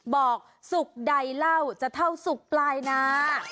บอกสุกใดเหล้าจะเท่าสุกปลายนา